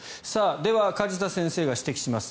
では、梶田先生が指摘します。